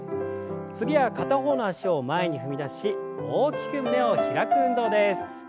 次は片方の脚を前に踏み出し大きく胸を開く運動です。